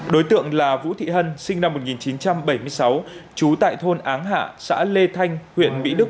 đối tượng là vũ thị hân sinh năm một nghìn chín trăm bảy mươi sáu trú tại thôn áng hạ xã lê thanh huyện mỹ đức